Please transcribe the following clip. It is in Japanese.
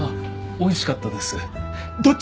おいしかったです。